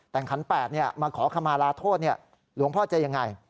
แต่งขัน๘มาขอขมาลาโทษหลวงพ่อจะยังไง